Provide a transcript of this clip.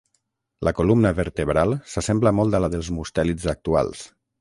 La columna vertebral s'assembla molt a la dels mustèlids actuals.